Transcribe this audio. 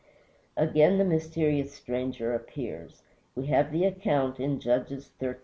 Again the mysterious stranger appears; we have the account in Judges xiii.